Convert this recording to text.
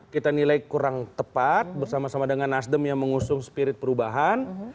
kita nilai kurang tepat bersama sama dengan nasdem yang mengusung spirit perubahan